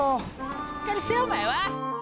しっかりせえお前は！